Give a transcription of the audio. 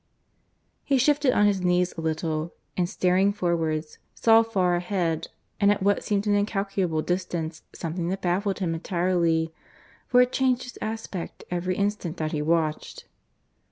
He shifted on his knees a little, and staring forwards, saw far ahead and at what seemed an incalculable distance something that baffled him entirely, for it changed its aspect every instant that he watched.